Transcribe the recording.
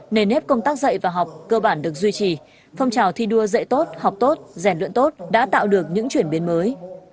nền nếp công tác dạy và học cơ bản được duy trì phong trào thi đua dạy tốt học tốt rèn luyện tốt đã tạo được những chuyển biến mới